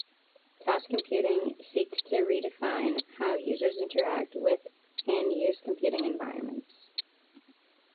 Task computing seeks to redefine how users interact with and use computing environments.